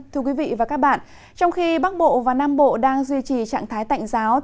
trong khi bắc bộ và nam bộ đang duy trì trạng thái tạnh giáo